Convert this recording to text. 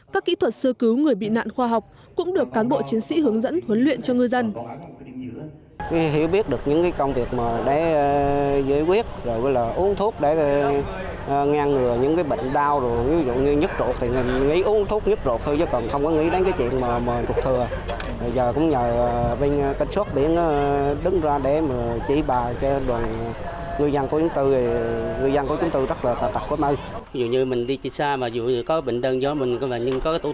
các kỹ thuật sơ cứu người bị nạn khoa học cũng được cán bộ chiến sĩ hướng dẫn huấn luyện cho ngư dân